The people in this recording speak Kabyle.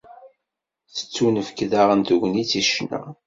Tettunefk daɣen tegnit i ccna.